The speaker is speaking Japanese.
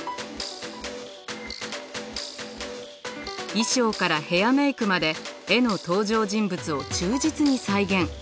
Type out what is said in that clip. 衣装からヘアメイクまで絵の登場人物を忠実に再現。